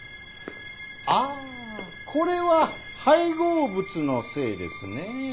ああこれは配合物のせいですねえ。